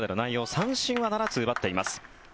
三振は７つ奪っています。